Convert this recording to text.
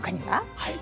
はい。